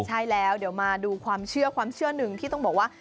ใช่แล้วเดี๋ยวมาดูความเชื่อความเชื่อหนึ่งที่ต้องบอกว่า